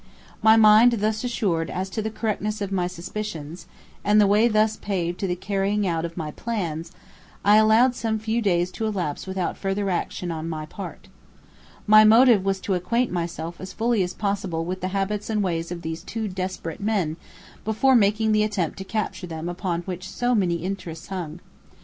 My mind thus assured as to the correctness of my suspicions, and the way thus paved to the carrying out of my plans, I allowed some few days to elapse without further action on my part. My motive was to acquaint myself as fully as possible with the habits and ways of these two desperate men, before making the attempt to capture them upon which so many interests hung.